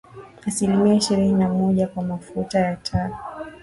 asilimia ishirini na moja kwa mafuta ya taa